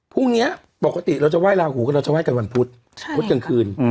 พรุ่งนี้ปกติเราจะไห้ลาหูก็เราจะไห้กันวันพุธพุธกลางคืน